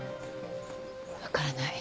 わからない。